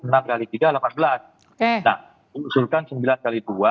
nah rujukan sembilan x dua delapan belas